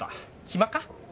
暇か？